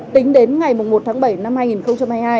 tính đến ngày một tháng bảy năm hai nghìn hai mươi hai